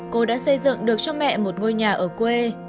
cô đã xây dựng được cho mẹ một ngôi nhà ở quê